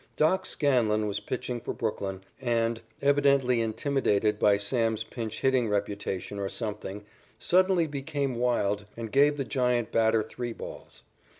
"Doc" Scanlon was pitching for Brooklyn, and, evidently intimidated by Sam's pinch hitting reputation or something, suddenly became wild and gave the Giant batter three balls.